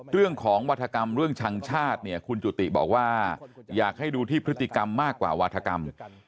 เรื่องของวัฒกรรมเรื่องชังชาติเนี่ยคุณจุติบอกว่าอยากให้ดูที่พฤติกรรมมากกว่าวาธกรรม